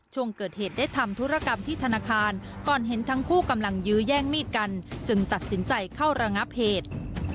ช่วงเกิดเหตุได้ทำธุรกรรมที่ธนาคารก่อนเห็นทั้งคู่กำลังยื้อแย่งมีดกันจึงตัดสินใจเข้าระงับเหตุ